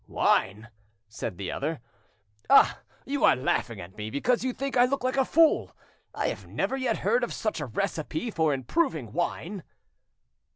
"Wine!" said the other. "Ah! you are laughing at me, because you think I look a fool! I never yet heard of such a recipe for improving wine."